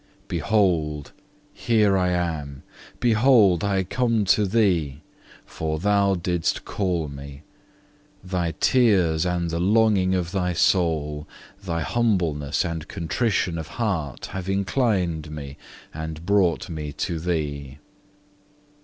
6. "Behold, here I am! Behold, I come to thee, for thou didst call Me. Thy tears and the longing of thy soul, thy humbleness and contrition of heart have inclined Me, and brought Me to thee."